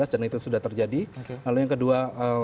dan itu sudah terjadi lalu yang kedua